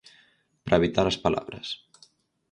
Para habitar as palabras.